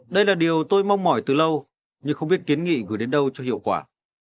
đây là điều tôi mong mỏi từ lâu nhưng không biết kiến nghị gửi đến đâu cho hiệu quả